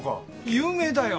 有名だよ。